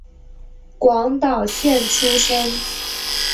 广岛县出身。